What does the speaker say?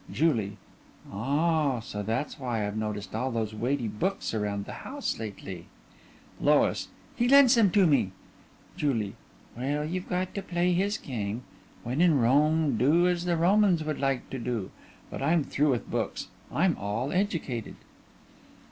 JULIE: Oh, so that's why I've noticed all these weighty books around the house lately. LOIS: He lends them to me. JULIE: Well, you've got to play his game. When in Rome do as the Romans would like to do. But I'm through with books. I'm all educated.